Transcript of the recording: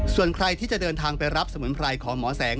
ส่วนใครที่จะเดินทางไปรับสมุนไพรของหมอแสง